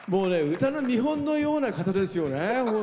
歌の見本のような方ですよね。